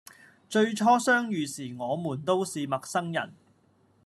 最初相遇時我們都是陌生人